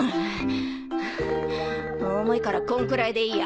重いからこんくらいでいいや。